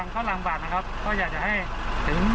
ข้อระดับ๒จิม